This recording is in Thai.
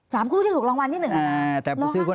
คู่ที่ถูกรางวัลที่หนึ่ง